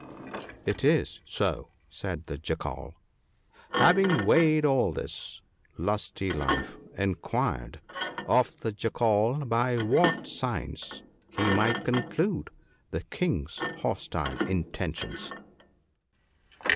* It is so/ said the Jackal. " Having weighed all this, Lusty life inquired of the Jackal by what signs he might conclude the King's hostile intentions.